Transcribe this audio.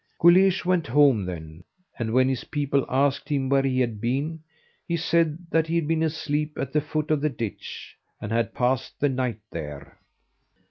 Guleesh went home then, and when his people asked him where he had been, he said that he had been asleep at the foot of the ditch, and had passed the night there.